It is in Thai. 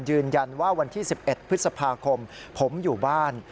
ยืนยันว่าวันที่๑๑พฤษภาคมผมอยู่บ้าน